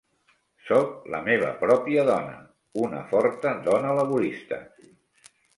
Soc la meva pròpia dona, una forta dona laborista.